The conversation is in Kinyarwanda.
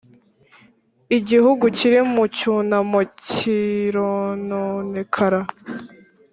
Igihugu kiri mu cyunamo, kirononekara,